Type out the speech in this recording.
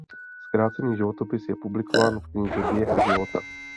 Zkrácený životopis je publikován v knize "Běh života".